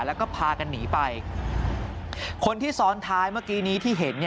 แล้วก็พากันหนีไปคนที่ซ้อนท้ายเมื่อกี้นี้ที่เห็น